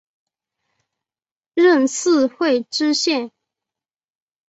任四会知县。